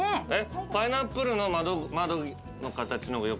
パイナップルの窓の形の方がよくない？